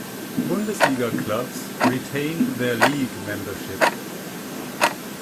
Bundesliga clubs retained their league membership.